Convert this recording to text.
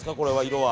色は。